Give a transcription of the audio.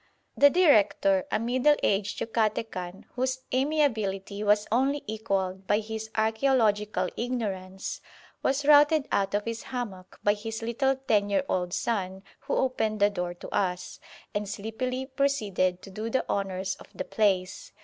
The director, a middle aged Yucatecan, whose amiability was only equalled by his archæological ignorance, was routed out of his hammock by his little ten year old son who opened the door to us, and sleepily proceeded to do the honours of the place.